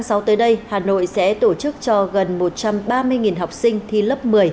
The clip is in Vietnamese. từ một mươi tám một mươi chín tháng sáu tới đây hà nội sẽ tổ chức cho gần một trăm ba mươi học sinh thi lớp một mươi